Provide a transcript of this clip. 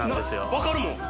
分かるもん